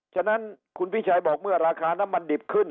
ฉะนั้นคุณพิชัยบอกเมื่อราคาน้ำมันดิบขึ้น